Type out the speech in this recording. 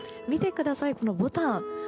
見てください、このぼたん。